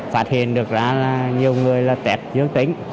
phát hiện được ra là nhiều người là tẹp dương tính